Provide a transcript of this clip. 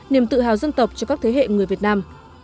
niềm tự hào dân tộc cho các thế hệ người việt nam